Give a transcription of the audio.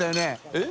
えっ？